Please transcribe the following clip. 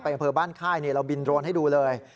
อำเภอบ้านค่ายเราบินโรนให้ดูเลย